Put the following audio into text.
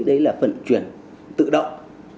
đấy là phận chuyển tự động